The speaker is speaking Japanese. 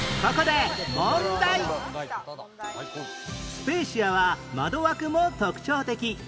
スペーシアは窓枠も特徴的